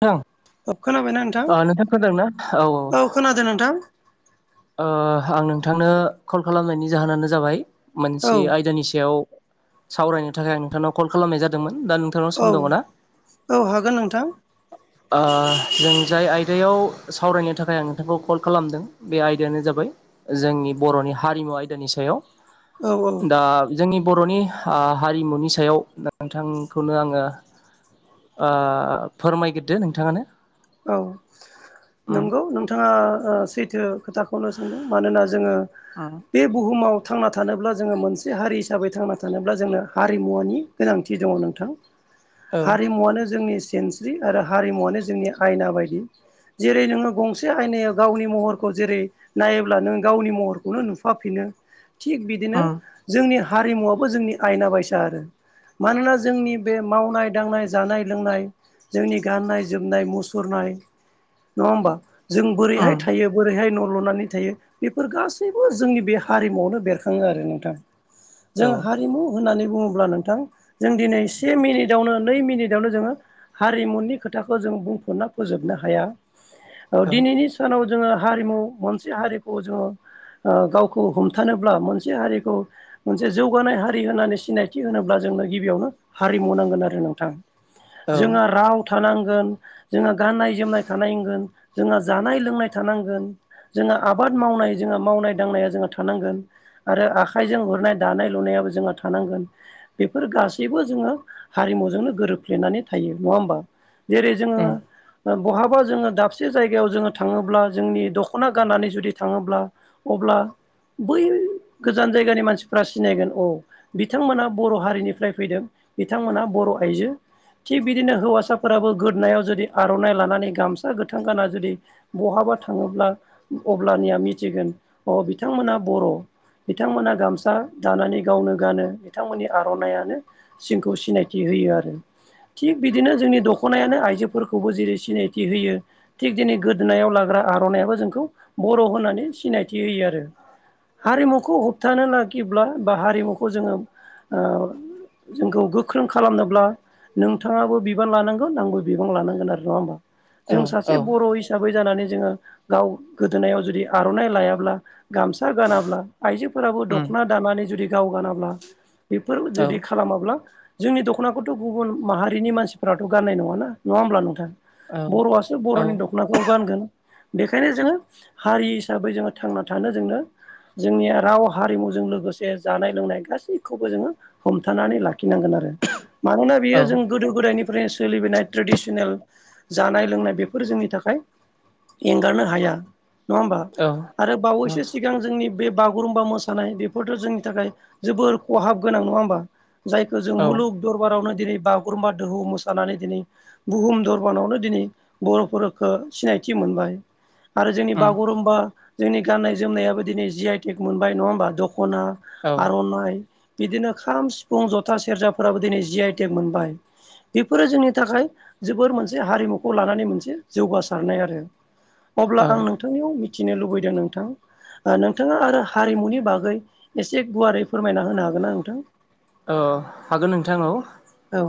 अ अ खोनाबायना नों अ नोंथां खोनादोंना औ औ खोनादोना नोंथां ओ आं नोंथांनो कल खालामनायनि जाहोनानो जाबाय औ मोनसे आयदानि सायाव सावरायनो थाखाय आं नोंथांनाव कल खालामनाय जादोंमोन दा नोंथांनाव औ सम दङ ना औ हागोन नोंथां अ जों जाय आयदायाव सावरायनो थाखाय आं नोंथांखौ कल खालामदों बे आयदायानो जाबाय जोंनि बर'नि हारिमु आयदानि सायाव औ औ दा जोंनि बर'नि आ हारिमुनि सायाव नोंथांखौनो आङो ओ फोरमायगिरदो नोंथाङानो औ उम नंगौ नों थाङा ओ सैथो खोथाखौनो सोंदों मानोना जोङो ओ बे बुहुमाव थांना थानोब्ला जोङो मोनसे हारि हिसाबै थांना थानोब्ला जोंनो हारिमुवानि गोनांथि दङ नोंथां औ हारिमुवनो जोंनि सिनस्रि आरो हारिमुवनो जोंनि आयना बायदि जेरै नोङो गंसे आयनायाव गावनि महरखौ जेरै नायोब्ला नों गावनि महरखौनो नुफाफिनो थिग बिदिनो उम जोंनि हारिमुवाबबो जोंनि आयना बायसा आरो। मानोना जोंनि बे मावनाय दांनाय जानाय लोंनाय जोंनि गान्नाय जोमनाय मुसु रनाय नङा होमबा जों बोरैहाय उम था थायो बोरैहाय न' लुनानै थायो बेफोर गासैबो जोंनि बे हारिमु आवनो बेरखाङो आरो नोंथां। औ जों हारिमु होननानै बुङोब्ला नोंथां जों दिनै से मिनिटावनो नै मिनिटावनो जोङो हारिमुनि खोथाखौ जों बुंफरना फोजोबनो हाया औ दिनैनि सानाव जोङो हारिमु मोनसे हारिखौ जोङो ओ गावखौ हमथानोब्ला मोनसे हारिखौ मोनसे जौगानाय हारि होननानै सिनायथि होनोब्ला जोंनो गिबियावनो हारिमु नांगोन आरो नोंथां। औ जोंहा राव थानांगोन जोंहा गाननाय जोमनाय थानायगोन जोंहा जानाय लोंनाय थानांगोन जोङो आबाद मावनाय जोङो दांनाया थानांगोन। आरो आखाइजों गुरनाय दानाय लुनायाबो जोंहा थानांगोन। बेफोर गासैबो जोङो हारिमुजोंनो गोरोबफ्लेनानै थायो। नङा होमबा जेरै जोङो उम बहाबा जोङो दाबसे जायगायाव जोङो थाङोब्ला जोंनि दख'ना गाननानै जुदि थाङोब्ला अब्ला बै गोजान जायगानि मानसिफ्रा सिनायगोन औ बिथांमोना बर' हारिनिफ्राय फैदों बिथांमोना बर' आइजो थिग बिदिनो हौवासाफोराबो गोदोनायाव जुदि आर'नाइ लानानै गामसा गोथां गानना जुदि बहाबा थाङोब्ला अब्लानिया मिथिगोन अ बिथांमोना बर'। बिथांमोना गामसा दानानै गावनो गानो बिथांमोननि आर'नायानो जोंखौ सिनायथि होयो आरो थिग बिदिनो जोंनि दख'नायानो आइजो फोरखौबो जेरै सिनायथि होयो थिग दिनै गोदोनायाव लाग्रा आर'नायाबो जोंखौ बर' होननानै सिनायथि होयो आरो। हारिमुखौ होबथानो नागिरब्ला हारिमुखौ लाखिब्ला बा हारिमुखौ जोङो ओ जोंखौ गोख्रों खालामनोब्ला नोंथाङाबो बिबान लानांगौ आंबो बिबान लानांगो नङा होमबा औ जों औ सासे बर' हिसाबै जानानै जोङो गाव गोदोनायाव जुदि आर'नाइ लायाब्ला गाम सा गानाब्ला आइजोफोराबो उम दख'ना दानानै जुदि गाव गानाब्ला बेफोर औ जुदि खालामाब्ला जोंनि दख'नाखौथ' गुबुन माहारिनि मानसिफ्राथ' गाननाय नङाना नङा होमब्ला नोंथां। औ बर'आसो बर'नि औ द'ख खनाखौ गानगोन बेखायनो जोङो हारि हिसाबै जोङो थांना थानो जोंनो जोंनि राव हारिमुजों लोगोसे जानाय लोंनाय गासैखौबो जोङो हमथानानै लाखिनांगोन आरो मानोना औ बियो जों गोदो गोदायनिफ्रायनो सोलिबोनाय ट्रेडिसनेल जानाय लोंनाय बेफोर जोंनि थाखाय एंगारनो हाया। नङा होमबा औ आरो बावैसो सिगां जोंनि बे बागुरुम्बा मोसानाय बेफोरथ' जोंनि थाखाय जोबोर खहाब गोनां नङा होमबा? जायखौ जों मुलुग दरबारावनो दिनै बागुरुम्बा दोहौ मोसानानै दिनै बुहुम दरबानावनो दिनै बर'फोरखौ सिनायथि मोनबाय। आरो जोंनि उम बागुरुम्बा जोंनि गाननाय जोमनायाबो दिनै जि आइ टेक मोनबाय नङा होमबा दख'ना औ आर'नाइ, बिदिनो खाम सिफुं जथा सेरजाफोराबो दिनै जिइ टेक मोनबाय बेफोरो जोंनि थाखाय जोबोर मोनसे हारिमुखौ लानानै मोनसे जौगासारनाय आरो अब्ला औ आं नों थांनियाव मिथिनो लुबैदों नोंथां नोंथाङा आरो हारिमुनि बागै एसे गुवारै फोरमायना होनो हागोन ना नोंथां? ओ हागोन नोंथां औ औ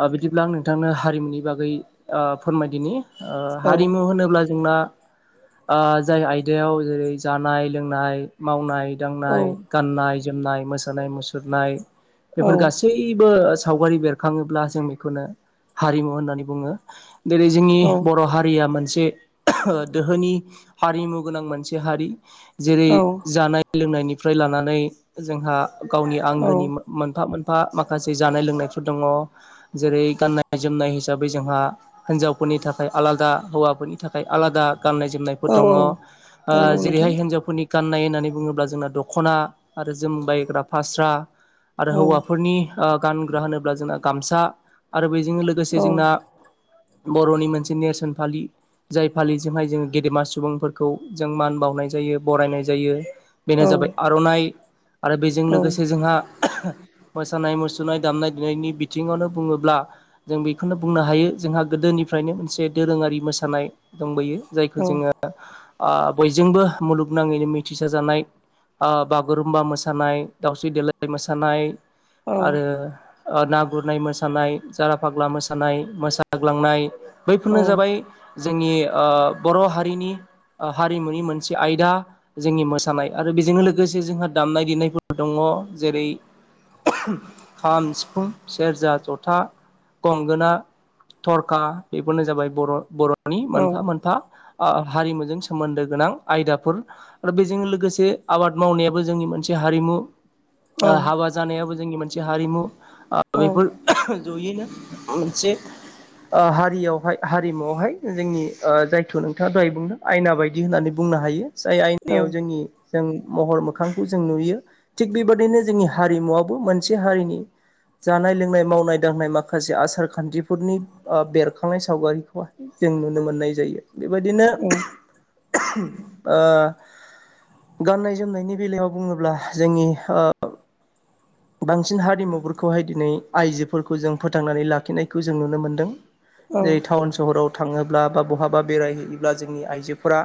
ओ बिदिब्ला आं नोंथांनो हारिमुनि बागै ओ फोरमायदिनि। ओ औ हारिमु होनोब्ला जोंना ओ जाय आयदायाव जेरै जानाय लोंनाय मावनाय औ दांनाय गाननाय जोमनाय मोसानाय मुसुरनाय औ बेफोर गासैबो सावगारि बेरखाङोब्ला जों बेखौनो हारिमु होननानै बुङो। जेरै जोंनि बर' हारिया मोनसे दोहोनि हारिमु गोनां मोनसे हारि जेरै औ जानाय लोंनायनिफ्राय लानानै जोंहा गावनि औ आंगोनि मोनफा मोनफा माखासे जानाय लोंनायफोर दङ। जेरै गाननाय जोमनाय हिसाबै जोंहा हिनजावफोरनि थाखाय आलादा हौवाफोरनि थाखाय आलादा गाननाय जोमनाय फोर औ दङ औ ओ नंगौ नोंथां जेरैहाय हिनजावफोरनि गाननाय होननानै बुङोब्ला जोंना दख'ना आरो जोमबायग्रा फास्रा आरो औ हौवाफोरनि ओ गानग्रा होनोब्ला जोंना गामसा आरो बेजों लोगोसे औ जोंना बर'नि मोनसे नेरसोन फालि जाय फालिजोंहाय जों गेदेमा सुबुंफोरखौ जों मान बावनाय जायो बरायनाय जायो। बेनो औ जाबाय आर'नाइ आरो बेजों औ लोगोसे जोंहा मोसानाय मुसुरनाय दामनाय देनायनि बिथिङावनो बुङोब्ला जों बेखौनो बुंनो हायो जोंहा गोदोनिफ्रायनो मोनसे दोरोङारि मोसानाय दंबोयो। जायखौ औ जोङो ओ बयजोंबो मुलुग नाङैनो मिथिसाजानाय ओ बागुरुम्बा मोसानाय, दाावस्रि देलाय मोसानाय औ आरो ओ ना गुरनाय मोसानाय, जारा फाग्ला मोसानाय, मोसाग्लांनाय बैफोरनो औ जाबाय जोंनि ओ बर' हारिनि हारिमुनि मोनसे आयदा जोंनि मोसानाय आरो बेजोंनो लोगोसे जोंहा देनायफोर दङ। जेरै खाम, सिफुं, सेरजा, जथा, गंगोना थरखा बेफोरनो जाबाय बर' बर'नि औ मोनफा मोनफा ओ हारिमुजों सोमोन्दो गोनां आयदाफोर। आरो बेजों लोगोसे आबाद मावनायाबो जोंनि मोनसे हारिमु। औ ओ हाबा जानायाबो जोंनि मोनसे हारिमु आ बेफोर जयैनो मोनसे ओ हारियावहाय हारिमुआवहाय जोंनि ओ जायथ' नोंथाङा दहाय बुंदों। आयना बायदि होननानै बुंनो हायो जाय आयनायाव जोंनि जों महर मोखांखौ जों नुयो। थिग बेबादिनो जोंनि हारिमुवाबो मोनसे हारिनि जानाय लोंनाय मावनाय दांनाय माखासे आसार खान्थिफोरनि ओ बेरखांनाय सावगारिखौहाय जों नुनो मोननाय जायो। बेबायदिनो ओ गाननाय जोमनायनि बेलायाव बुङोब्ला जोंनि ओ बांसिन हारिमुफोरखौहाय आइजोफोरखौ जों फोथांनानै लाखिनायखौ जों नुनो मोनदों। जेरै टाउन सहराव थाङोब्ला बा बहाबा बेरायहैयोब्ला जोंनि आइजोफोरा।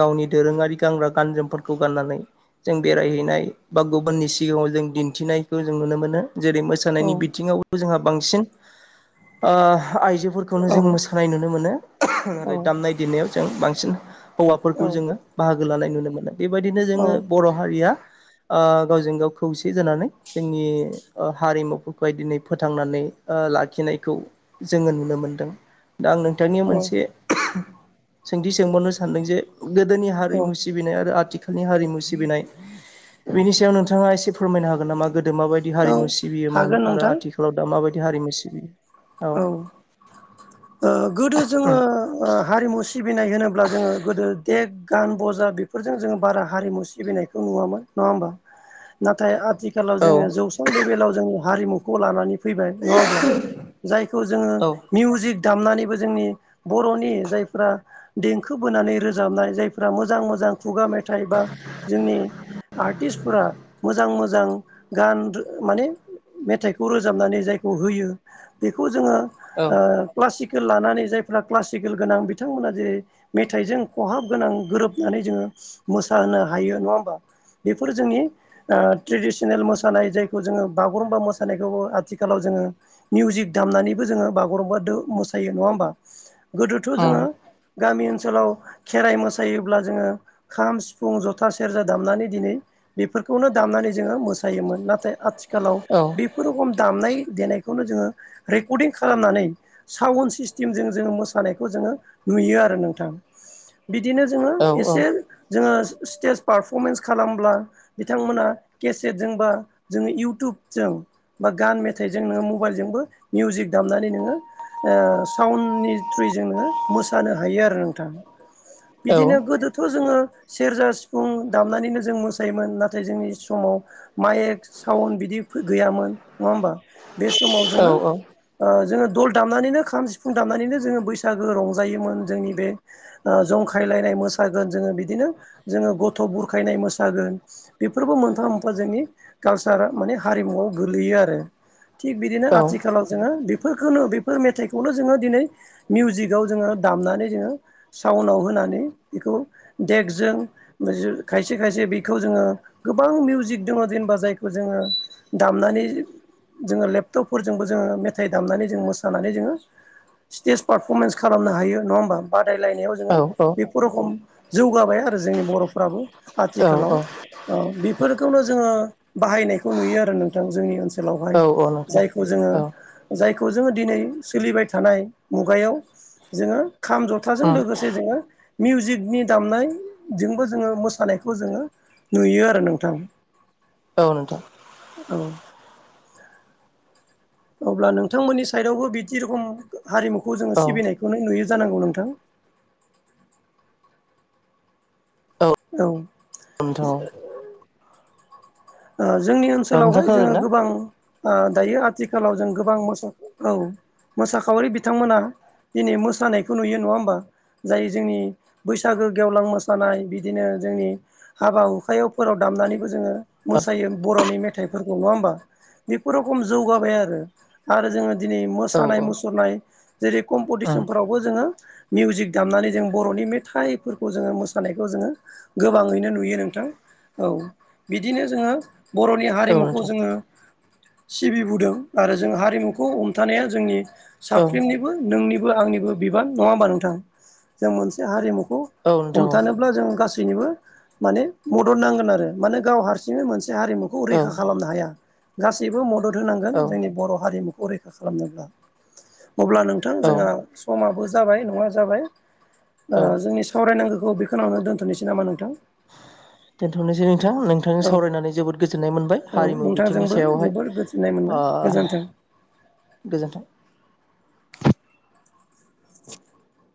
गावनि दोरोङारि गानग्रा गान जोमफोरखौ गाननानै। जों बेरायहैनाय बा गुबुननि सिगाङाव जों दिन्थिनाय। जों नुनो मोनो जेरै मोसानायनि बिथिङाव जोंहा बांसिन आइजो। हौवाफोरखौनो जों मोसानाय नुनो मोनो आरो दामनाय देनायाव जों बांसिन हौवाफोरखौ जोङो। बाहागो लानाय नुनो मोनो बेबायदिनो जोङो औ बर' हारिया गावजों गाव खौसे जानानै। जोंनि हारिमुफोरखौहाय दिनै फोथांनानै लाखिनायखौ। जोङो नुनो मोनदों दा आं नों। बिथांनि मोनसे सोंथि सोंबावनो सानदों जे गोदोनि हारिमु। औ आरो आथिखालनि हारिमु सिबिनाय बिनि सायाव नोंथाङा एसे फोरमायनो हागोन नामा। गोदो माबायदि हारिमु औ सिबियोमोन हागोन आरो नोंथां आथिखालाव दा माबायदि हारिमु सिबियो। औ औ गोदो जोङो उम हारिमु सिबिनाय होनोब्ला जोङो गोदो देग। गान बजा बेफोरजों जोङो बारा हारिमु सिबिनायखौ नुवामोन नङा होमबा नाथाय आथिखाल। आथिखालाव जोङो दोनथ'नोसै जौस्रां लेभेलाव जोंनि हमुखौ लानानै फैबाय नङा होमब्ला। जायखौ जोङो मिउजिक दामनानैबो जोंनि बर'नि जायफ्रा। देंखो बोनानै रोजाबनाय जायफ्रा मोजां मोजां। खुगा मेथाइ बा जोंनि आर्टिस्टफोरा। मोजां मोजां गान माने मेथाइखौ रोजाबनानै जायखौ होयो। बेखौ जोङो नोंथां क्लासिकेल लानानै जायफ्रा क्लासिकेल गोनां बिथांमोना जे। मेथाइजों खहाब गोनां गोरोबनानै जोङो मोसानो हायो नङा होमबा। बेफोर जोंनि। ओ ट्रिडिसेनेल मोसानाय जायखौ जोङो बागुरुम्बा मोसानायखौबो आथिखालाव जोङो मिउजिक दामनानैबो जोङो बागुरुम्बादो मोसायो नङा होमबा गोदोथ' जोङो गामि ओनसोलाव खेराइ मोसायोब्ला जोङो खाम सिफुं जथा सेरजा दामनानै दिनै बेफोरखौनो दामनानै जोङो मोसायोमोन नाथाय आथिखालाव बेफोर रखम दामनाय देनाय खौनो जोङो रेकर्डिं खालामनानै साउन्ड सिस्टिमजों जोङो मोसानायखौ जोङो नुयो आरो नोंथां। बिदिनो जोङो एसे जोङो स्टेज पारफरमेन्स खालामब्ला बिथांमोना केसेटजों बा जोङो इउटुबजों बा गान मेथाइजों नोङो म बाइलजोंबो मिउजिक दामनानै नोङो ओ साउन्डनि थ्रुयै जोङो मोसानो हायो आरो नोंथां। बिदिनो गोदोथ' जोङो सेरजा सिफुं दामनानैनो जों मोसायोमोन नाथाय जोंनि समाव माइक साउन्ड बिदि फै गैयामोन नङा होमबा बे समाव जोंङो ओ जोङो दल दामनानैनो खाम सिफुं दामनानैनो जोङो बैसागो रंजायोमोन जोंनि बे ओ जंखायलायनाय मोसागोन जोङो बिदिनो जोङो गथ' बुरखायनाय मोसागोन। बेफोरबो मोनफा मोनफा जोंनि कालसार माने हारिमुआव गोगलैयो आरो। थिग बिदिनो आथिखालाव जोङो बि फोरखोनो बेफोर मेथाइखौनो जोङो दिनै मिउजिकआव जोङो दामनानै जोङो साउनाव होनानै बेखौ देकजों [inaudible] खायसे खायसे बेखौ जोङो गोबां मिउजिक दङ जेनेबा जायखौ जोङो दामनानै जोङो लेपटपफोरजोंबो जोङो मेथाइ दामनानै जों मोसानानै जोङो स्टेज पारफरमेन्स खालामनो हायो नङा होमबा बादायलायनायाव जोङो बेफोर रखम जौगाबाय आरो जोंनि बर'फ्राबो आथिखालाव। औ बिफोरखौनो जोङो बाहायनायखौ नुयो आरो नोंथां जोंनि ओनसोलावहाय। जायखौ जोङो जायखौ जोङो दिनै सोलिबाय थानाय मुगायाव जोङो खाम जथाजों लोगो से जोङो मिउजिकनि दामनाय जोंबो जोङो मोसानायखौ जोङो नुयो आरो नोंथां। औ नोंथां। औ अब्ला नोंथांमोननि साइडावबो बिदि रखम हारिमुखौ जोङो सिबिनायखौनो नुयो जानांगौ नोंथां? औ ओ जोंनि ओन सोलावहाय जोङो गोबां ओ दायो आथिखालाव जों गोबां मोसा औ ‌ मोसाखावरि बिथांमोना दिनै मोसानायखौ नुयो नङा होमबा जाय जोंनि बैसागो गेवलां मोसानाय बि दिनो जोंनि हाबा हुखायाव फोराव दामनानैबो जोङो मोसायो बर'नि मे थाइ फोरखौ नङा होमबा बे रखम जौगाबाय आरो आरो जोङो दिनै मोसानाय मुसुरनाय जेरै कम्प'टिसनफ्राव बो जोङो मिउजिक दामनानै जों बर'नि मेथाइफोरखौ जोङो मोसानायखौ जोङो गोबाङैनो नुयो नोंथां औ बिदिनो जोङो बर'नि हारिमुखौ जोङो सिबिबोदों आरो जों हारिमुखौ हमथानाया जोंनि साफ्रिमनि बो नोंनिबो आंनिबो बिबान नङा होमबा नोंथां जों मोनसे हारिमुखौ हमथानो ब्ला जों गासैनिबो माने मदद नांगोन आरो मानो गाव हारसिंनो मोनसे हारिमु खौ रैखा खालामनो हाया गासैबो मदद होनांगोन जोंनि बर' हारिमुखौ रै खालामनोब्ला अब्ला नोंथां जोंहा समाबो जाबाय नङा जाबाय जोंनि सावरायनांगौखौ बेखिआवनो दोनथ'नोसै नामा नोंथां? दोनथ'नोसै नोंथां नों नोंथांजों औ सावरायनानै जोबोद गोजोननाय मोनबाय औ हारिमु बिथिंनि नोंथांजोंबो सायावहाय जोबोर गोजोननाय मोनबाय ओ - गोजोन्थों गोजोन्थों। औ [inaudible]